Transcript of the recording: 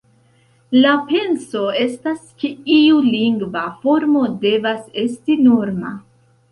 La penso estas, ke iu lingva formo devas esti norma.